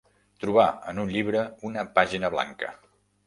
Trobar, en un llibre, una pàgina blanca.